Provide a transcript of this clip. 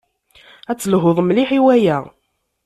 Ad telhuḍ mliḥ i waya.